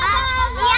apa yang dia maksudnya